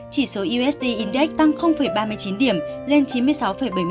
chỉ số usd index tăng ba mươi chín điểm lên chín mươi sáu bảy mươi chín